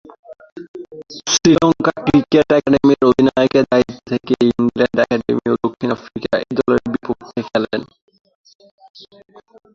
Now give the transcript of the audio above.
Sri Lanka cricket একাডেমির অধিনায়কের দায়িত্বে থেকে ইংল্যান্ড একাডেমি ও দক্ষিণ আফ্রিকা এ-দলের বিপক্ষে খেলেন।